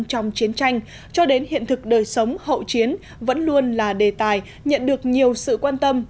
trong chiến tranh cho đến hiện thực đời sống hậu chiến vẫn luôn là đề tài nhận được nhiều sự quan tâm